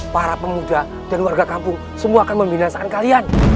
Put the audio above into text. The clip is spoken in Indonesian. para pemuda dan warga kampung semua akan membinaan kalian